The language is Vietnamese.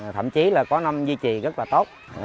thậm chí là có năm duy trì rất là tốt